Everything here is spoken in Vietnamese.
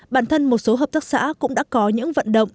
bản thân một số hợp tác xã cũng đã có những vận động